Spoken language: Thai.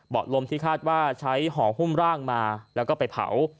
ลมที่คาดว่าใช้ห่อหุ้มร่างมาแล้วก็ไปเผา